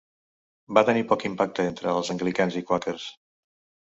Va tenir poc impacte entre els anglicans i quàquers.